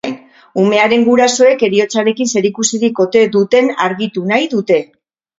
Umearen gurasoek heriotzarekin zerikusirik ote duten argitu nahi dute.